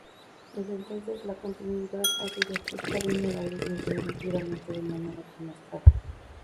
Desde entonces la continuidad ha sido estricta, viendo la luz ininterrumpidamente de manera trimestral.